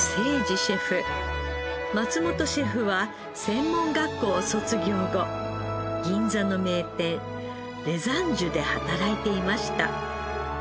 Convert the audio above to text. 松本シェフは専門学校を卒業後銀座の名店レ・ザンジュで働いていました。